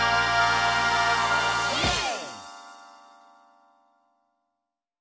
イエーイ！